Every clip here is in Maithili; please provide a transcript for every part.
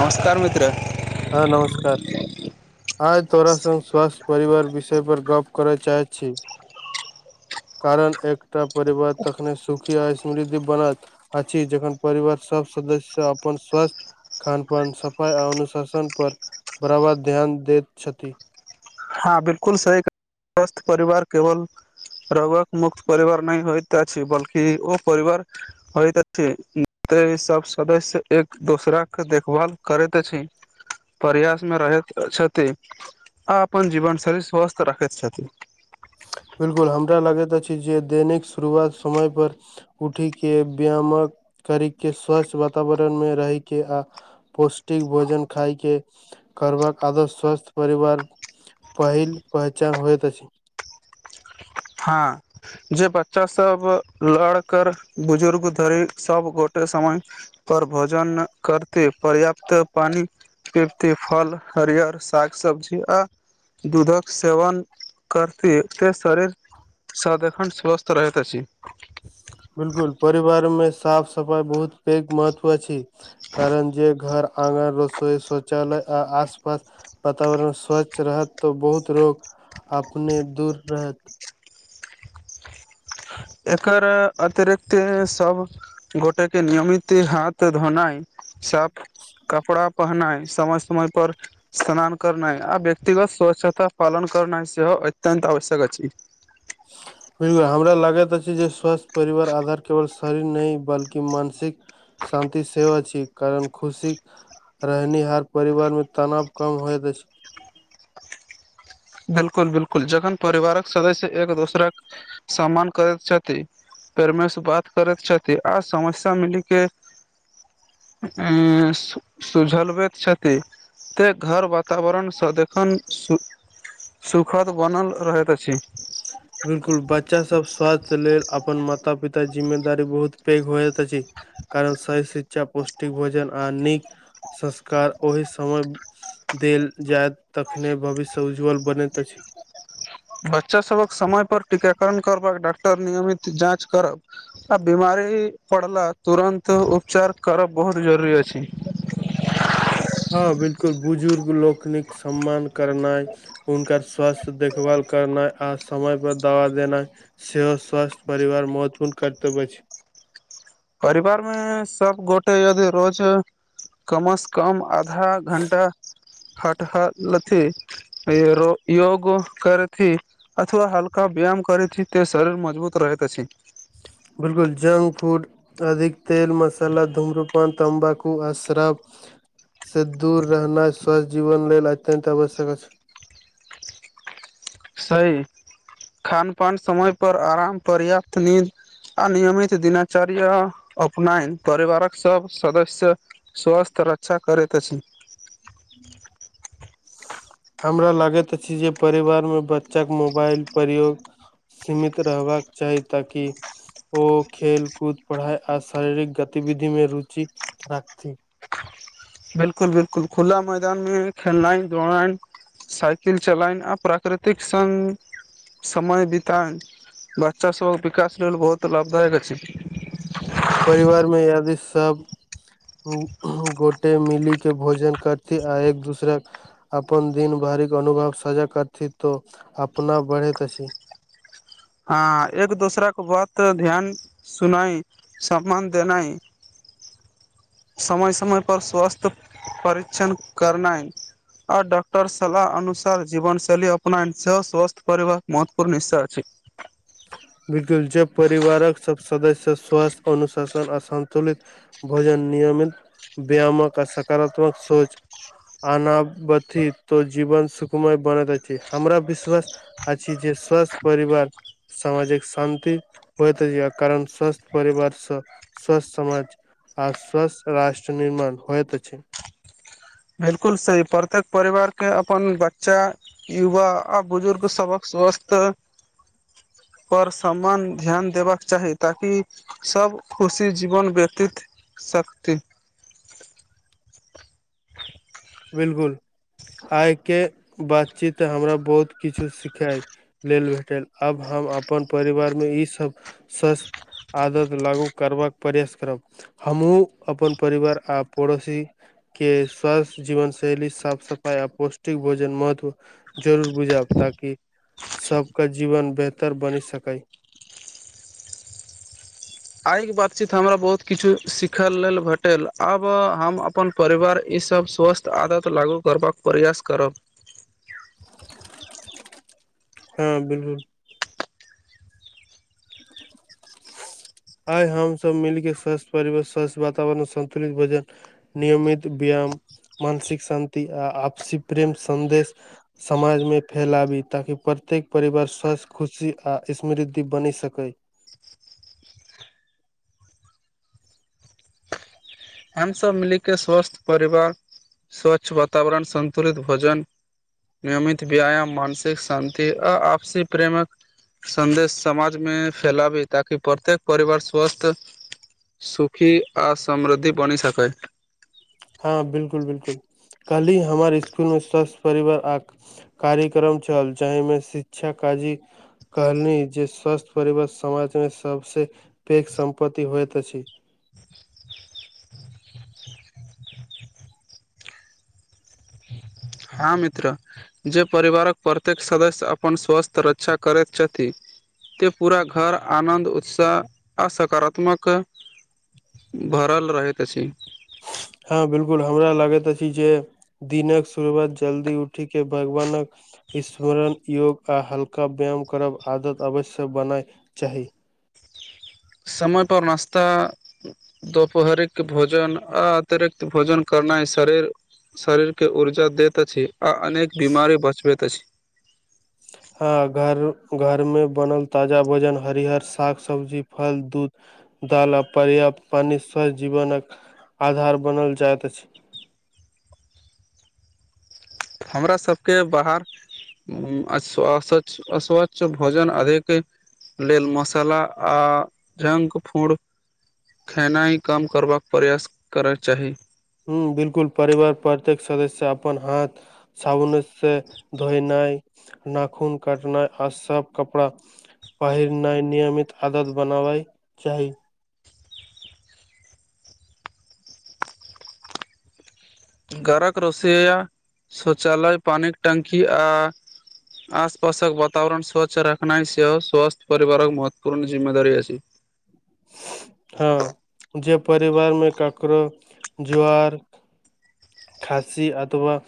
नमस्कार मित्र हँ नमस्कार आइ तोरा सङ्ग स्वास्थ्य परिवार विषय परर गप्प करय चाहैत छी कारण एकटा परिवार तखने सुखी आ समृद्धि बनत अछि जखन परिवार सभ सदस्य अपन स्वास्थय खान पान सफाइ आ अनुशासन पर बराबर ध्यान दैत छथि हँ बिलकुल सही [unintelligible] दोस्त परिवार केवल रउआ के मुक्त परवार नहि होत अछि बल्कि ओ परिवार होइत अछि ते सब सदस्य एक दोसरा के देखभाल करैत अछि प्रयासमे रहैत छथि आ अपन जीवन शरीर स्वस्थ राखैत छथिन बिलकुल हमरा लगैत अछि जे दैनिक शुरुआत समयपर उठि के व्यायामक करी के स्वास्थय वातावरण मे रहिके आ पौष्टिक भोजन खायके करबाक आदर स्वस्थ परिवार पहिल पहचान होइत अछि हाँ जे बच्चा सब लड़ कर बुजुर्ग धरी सब गोटे समय पर भोजन करते पर्याप्त पानी पेबते फल हरियर साग सब्जी आ दूधक सेवन करते एते शरीर सब एखन स्वस्थ स्वस्थ रहैत छथि बिल्कुल परिवार में साफ सफाइ बहुत पैघ महत्व अछि कारण जे घर आंगन रसोई शौचालय आ आसपास वातावरण स्वच्छ रहत तऽ बहुत रोग अपने दूर रहत एकर अतिरिक्त सभ गोटा के नियमित हाथ धोनाई साफ कपड़ा पहनाय समय समय पर स्नान करनाय आ व्यक्तिगत स्वच्छता पालन करना सेहो अत्यंत आवश्यक अछि [inaudible] बिल्कुल हमरा लागैत छै जे स्वास्थ्य परिवार आधार केवल शरीर नहि बल्कि मानसिक शान्ति सेव अछि कारण खुशी रहनीयार परिवार में तनाव कम होयत छै बिल्कुल बिल्कुल जखन परिवारक सदस्य एक दोसराक सम्मान करैत छथि प्रमेश बात करैत छथि आ समस्या मिली के ह सुझलवे बेद छथि त घर बताबरण सदिखन सुखद बनल रहैत अछि बिल्कुल बच्चा सब स्वास्थ्य लेल अपन माता पिता जिम्मेदारी बहुत पैघ होयत अछि कारण सही शिक्षा पौष्टिक भोजन आ नीक संस्कार ओहि समय देल जायत तखने भविष्य उज्ज्वल बनैत अछि बच्चा सब कऽ समय पर टीकाकरण करबाक डॉक्टर नियमित जाँच करब आ बिमारी पड़ला तुरन्त उपचार करब बहुत जरूरी अछि हँ बिलकुल बुजुर्ग लोकनिक सम्मान करनाइ हुनकर स्वास्थ देखभाल करनाइ आ समयपर दवा देनाइ सेहो स्वस्थ परिवार महत्वपूर्ण कर्तव्य अछि परिवारमे सब गोटे यदि रोज कम सँ कम आधा घण्टा हटलथि योग करथि अथव हल्का व्यायाम करइथ तऽ शरीर मजबूत रह त छै बिलकुल जंक फूड अधिक तेल मसाला धूम्रूपान तंबाकू आश्रफ से दूर रहनाइ स्वस्थ जीवन लेल अत्यन्त आवश्यक अछि सही खान पान समय पर आराम पर्याप्त नींद आनियमित दिनाचर्य अपनायन परिवारक सब सदस्य स्वस्थ रक्षा करैत अछी हमरा लागैत अछि जे परिवारमें बच्चाके मोबाइल प्रयोग सीमित रहबाक चाही ताकि ओ खेल कूद पढ़ाई आर शारीरिक गतिविधि में रुचि राखइथ बिलकुल बिलकुल खुला मैदान में खेलनाइ दौड़नाइ साइकिल चलायना प प्राकृतिक संग समय बितंग बच्चा सबक विकास लेल बहुत लाभ दायक अछि छै परिवार में यदि सब गोटे मिली के भोजन करती आ एक दूसरा अपन दिन भरि के अनुभव सजा करथिन तो अपना बढ़ैत अछी हँ एक दोसरा को बहुत ध्यान सुनाइ सम्मान देनाइ समय समय पर स्वस्थ परीक्षण करनाइ आओर डॉकटर सलाह अनुसार जीवनशैली अपनायन सेहो स्वस्थ्य करबाक महत्वपूर्ण इस्सा अछि बिलकुल जब परिवारक सब सदस्य स्वास्थ अनुशासन असन्तुलित भोजन नियमित व्यायाम आ सकारतात्मक सोच आना बथी तो जीवन सुखमय बनैत अछि हमरा विश्वास अ जे स्वस परवार सामाजिक शान्ति होत जाय कारण स्वस्थ परिवार स स्वस्थ समाज आर स्वस्थ राष्ट्र निर्माण होइत अछि बिलकुल सही प्रत्येक परिवारके अपन बच्चा युवा आ बुजुर्ग सबक स्वस्थ पर सम्मान ध्यान देबाक चाही ताकि सब खुशी जीवन व्यतीत शकती बिलकुल आइ के बातचीत हमरा बहुत किछु सिखाय लेल भेटल आब हम अपन परिवारमे ईसब सस आदत लागू करबाक प्रयास करब हमहु अपन परिवार आ पड़ोसी के स्वास्थ जीवन शैली साफ सफाई आ पौष्टिक भोजन महत्व जरूर बुझउ ताकि सबके जीवन बेहतर बानि सकै आइ के बातचीत हमरा बहुत किछु सिखय लेल भेटल आब हम अपन परिवार ईस स्वस्थ आदत लागू करबाक प्रयास करब हँ बिलकुल [inaudible] आय हम सभ मिल केँ स्वस्थ परिवेश स्वस्थ वातावरण सन्तुलित भोजन नियमित व्यायाम मानसिक शान्ति आ आपसी प्रेम सन्देश समाजमे फैलाबी ताकि प्रत्येक परिवार स्वस्थ खुशी आ समृद्धि बनि सकैय हम सभ मिली केँ स्वस्थ परिवार स्वच्छ वातावरण सन्तुलित भोजन नियमित व्यायाम मानसिक शान्ति आ आपसी प्रेमक सन्देश समाज मे फैलाबी ताकि प्रत्येक परिवार स्वास्थ्य सुखी आ समृद्धि बनी सकै हँ बिलकुल बिलकुल कल्हि हमर स्कुल मे स्वस्थ परिवार आ कार्यक्रम छल जहिमे शिक्षा काजी करलनि जे स्वस्थ परिवार समाजमे सभसे पैघ सम्पत्ति होइत अछि हँ मित्र जे परिवारक प्रत्येक सदस्य अपन स्वस्थ्य रक्षा करैत छथि तेऽ पूरा घर आनन्द उत्साह आ सकारात्मक भरल रहैत अछि हँ बिलकुल हमरा लागैत अछि जे दिनक शुरुआत जल्दी उठी केँ भगवानक स्मरण योग आ हल्का व्यायाम करब आदत अवश्य बनाय चाही समय पर नाश्ता दुपहरिक भोजन आ अतिरिक्त भोजन करनाइ शरीर शरीर केँ ऊर्जा दैत अछि आ अनेक बीमारी बचबैत अछि हँ घर घरमे बनल ताजा भोजन हरियर साग सब्जी फल दूध दाल पर्याप्त पानि स्वस्थ जीवनक आधार बनल जाइत अछि हमरा सभ केँ बाहर असच्छ अस्वच्छ भोजन अधिक लेल मसाला आ जंक फुड खेनाइ कम करबाक प्रयास करय चाही हुँ बिलकुल परिवार प्रत्येक सदस्य अपन हाथ साबुने से धोयनाइ नाखून काटनाइ आ सफ कपड़ा पहिरनाइ नियमित आदत बनाबै चाही घरक रोसैया शौचालय पानिक टंकी आ आसपासक वातावरण स्वच्छ रखनाइ सेहो स्वस्थ्य परिवारक महत्वपूर्ण जिम्मेदारी अछि हँ जे परिवार मे ककरो जुआर खाशी अथवा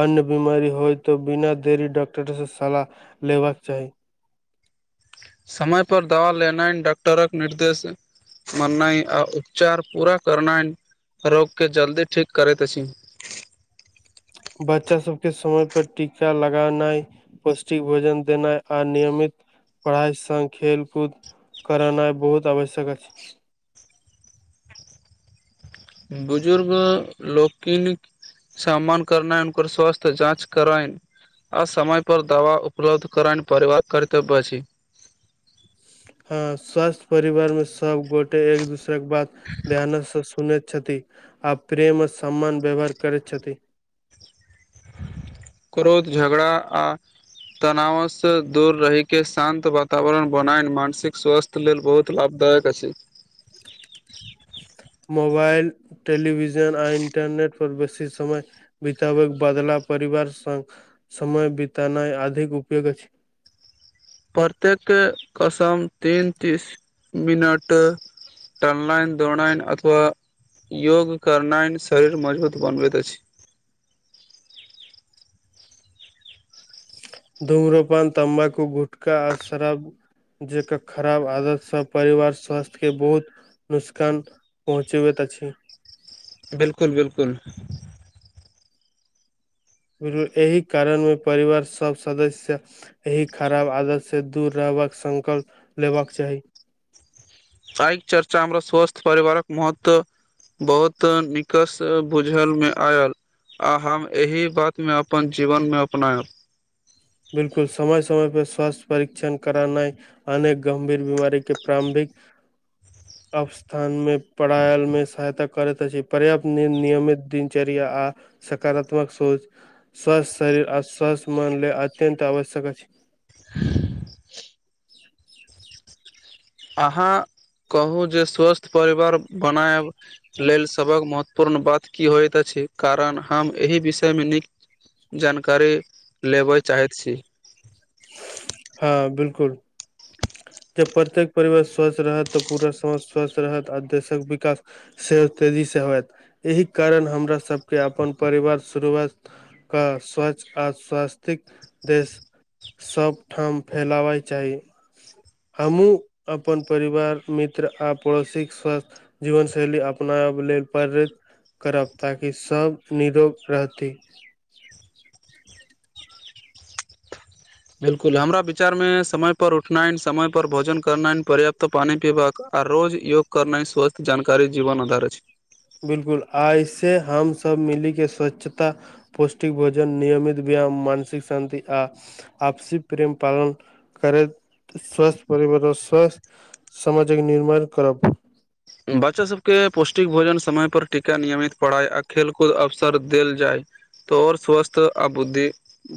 अन्य बिमारी होय तऽ बिना देरी डॉक्टरसँ सलाह लेबाक चाही समय पर दवा लेनाइ डॉक्टरक निर्देश मरनाइ आ उपचार पूरा करनाइ रोग केँ जल्दी ठीक करैत अछि बच्चा सब केँ समय पर टीका लगानाइ पौष्टिक भोजन देनाइ आ नियमित पढ़ाइ संग खेलकूद करनाइ बहुत आवश्यक अछि बुजुर्ग लोकिन सम्मान करनाइ उनकर स्वास्थ्य जाँच कराइन आ समय पर दवा उपलब्ध कराइन परिवार करतब्य अछि हँ स्वासस्थ परिवारमे सबगोटे एक दोसरक बात ध्यानसँ सुनैत छथि आ प्रेम आ सम्मान व्यवहार करैत छथि क्रोध झगड़ा आ तनावसँ दूर रहि के शान्त वातावरण बनाय मानसिक स्वासस्थ लेल बहुत लाभदायक अछि मोबाइल टेलीविजन आ इन्टरनेटपर बेसी समय बितब बदला परिवार समय बितना अधिक उपयोग छै प्रत्येक कसम तीन तीस मिनट टलना दौड़नाय अथवा योग करना शरीर मजबूत बनबैत अछि धूम्रपान तम्बाकू गुटका आशरफ जकर खराब आदत सँ परिवार स्वस्थ्य के बहुत नुकसान पहुँचबैत अछि बिलकुल बिलकुल एहि कारण मे परिवार सब सदस्य एहि खराब आदत सँ दूर रहबाक संकल्प लेबाक चाही एहि चर्चा हमरा स्वस्थ परिवारक महत्त्व बहुत नीक स बुझल में आयल आ हम एहि बात में अपन जीवन में अपनायब बिलकुल समय समय परे स्वास्थ्य परीक्षण करानाइ अनेक गंभीर बीमारी के प्रारंभिक अवसर स्थान में पढ़ायल मे सहायता करैत अछि पर्याप्त नियमित दिनचर्या आ सकारात्मक सोच स्वस्थ शरीर आ स्वस्थ मन ले अत्यन्त आवश्यक अछि [inaudible] अहाँ कहू जे स्वस्थ परिवार बनायब लेल सभक महत्वपूर्ण बात की होइत अछि कारण हम एहि विषयमे नीक जानकारी लेबय चाहैत छी हँ बिलकुल जब प्रत्येक परिवार स्वस्थ रहत तऽ पूरा समाज स्वस्थ रहत आ देशक विकास से तेजी से होयत एहि कारण हमरा सबके अपन परिवार शुरुआत कऽ स्वच्छ आ स्वास्तिक देश सबठाम फैलाबय चाही हमहुँ अपन परिवार मित्र आ पड़ोसीक स्वास्थ जीवन शैली अपनायब लेल प्रेरित करब ताकि सब निरोग रहती बिलकुल हमरा विचार में समय पर उठनाइ समय पर भोजन करना पर्याप्त त पानी पीबाक आ रोज योग करना स्वस्थ जानकारी जीवन आधार छै बिलकुल आइे हमसब मिली के स्वच्छता पौष्टिक भोजन नियमित व्यायाम मानसिक शान्ति आ आपसी प्रेम पालन करैत स्व परवार स्व समाजक निर्माण करब बच्चा सबके पौष्टिक भोजन समय पर टीका नियमित पढ़ाइ आ खेल कूद अवसर देल जाय तऽ ओर स्वस्थ्य आ बुद्धि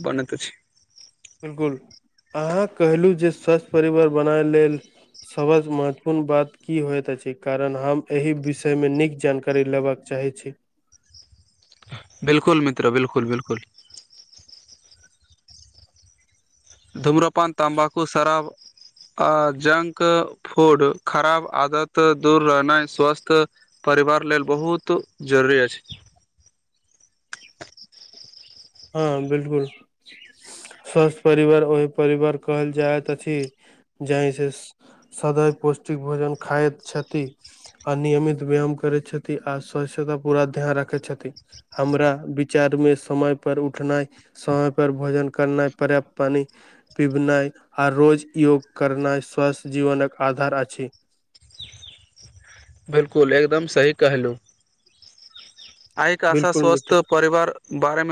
बनैत अछि बिलकुल अहाँ कहलहु जे स्वस्थ परिवार बनाय लेल सबसँ महत्वपूर्ण बात की होइत अछि कारण हम एहि विषयमे नीक जानकारी लेबबाक चाहै छी बिलकुल मित्र बिलकुल बिलकुल धूमरापान तम्बाकू सराब आ जंक फूड खराब आदत दूर रहनाइ स्वस्थ परिवार लेल बहुत जरूरी अछि हँ बिल्कुल स्वस्थ परिवार ओहि परिवार कहल जाइत अछि जाहि से सदैव पौष्टिक भोजन खाइत छथि अनियमित व्यायाम करै छथि आ स्वच्छता पूरा ध्यान राखै छथि हमरा विचार में समय पर उठनाइ समय पर भोजन करनाइ पर्याप्त पानी पीबनाइ आ रोज योग करनाइ स्वस्थ जीवनक आधार अछि बिलकुल एकदम सही कहलु आइ क आशा बिल्कुल मित्र स्वस्थ परिवार बारेमें